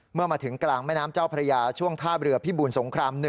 เมื่อมาถึงกลางแม่น้ำเจ้าพระยาช่วงท่าเรือพิบูรสงคราม๑